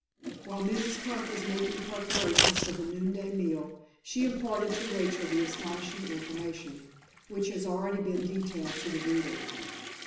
While Mrs. Crump was making preparations for the noon day meal, she imparted to Rachel the astonishing information, which has already been detailed to the reader.